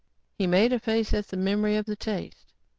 _" He made a face at the memory of the taste.